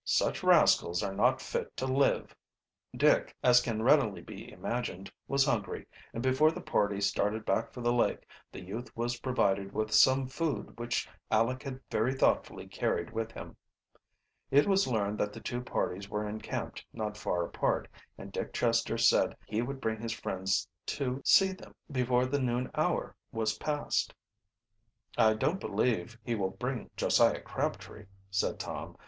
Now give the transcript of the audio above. "Such rascals are not fit to live." Dick, as can readily be imagined, was hungry, and before the party started back for the lake, the youth was provided with some food which Aleck had very thoughtfully carried with him. It was learned that the two parties were encamped not far apart, and Dick Chester said he would bring his friends to, see them before the noon hour was passed. "I don't believe he will bring Josiah Crabtree," said Tom.